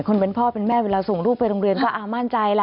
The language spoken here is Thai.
คนเป็นพ่อเป็นแม่เวลาส่งลูกไปโรงเรียนก็มั่นใจล่ะ